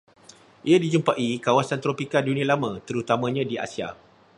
Ia dijumpai kawasan tropika Dunia Lama terutamanya di Asia